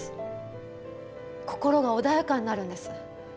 心が穏やかになるんです。